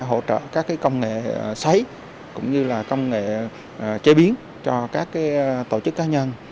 và các cái công nghệ xoáy cũng như là công nghệ chế biến cho các tổ chức cá nhân